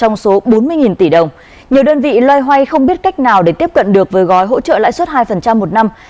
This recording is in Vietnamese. nhiều đơn vị loay hoay không biết cách nào để tiếp cận được với gói hỗ trợ lãi suất hai một năm